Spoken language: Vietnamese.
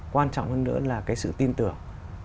quan trọng hơn nữa là cái sự tin tưởng